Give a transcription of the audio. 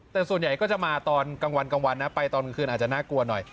แต่ส่วนใหญ่ก็จะมาตอนกลางวันกลางวันนะไปตอนกลางคืนอาจจะน่ากลัวหน่อย